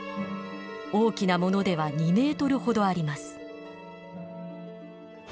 大きなものでは２ｍほどあります。